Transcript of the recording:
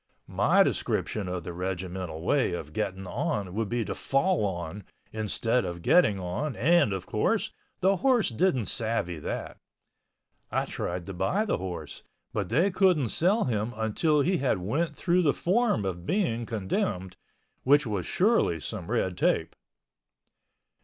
My description of the regimental way of getting on would be to fall on, instead of getting on and, of course, the horse didn't savvy that. I tried to buy the horse, but they couldn't sell him until he had went through the form of being condemned, which was surely some red tape.